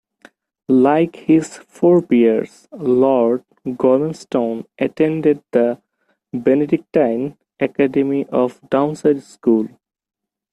Like his forebears, Lord Gormanston attended the Benedictine academy of Downside School.